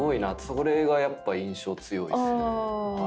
それが印象強いですね。